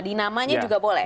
di namanya juga boleh